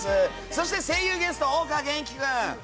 そして、声優ゲストは大河元気君！